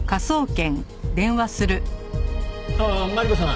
ああマリコさん